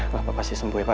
bapak pasti sembuh pak